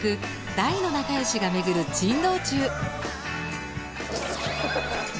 大の仲良しが巡る珍道中。